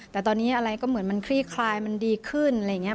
แต่ตอนนี้อะไรก็เหมือนมันคลี่คลายมันดีขึ้นอะไรอย่างนี้